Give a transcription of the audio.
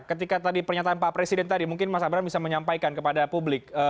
ketika tadi pernyataan pak presiden tadi mungkin mas abraham bisa menyampaikan kepada publik